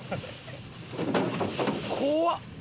怖っ！